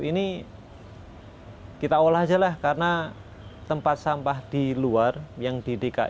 ini kita olah aja lah karena tempat sampah di luar yang di dki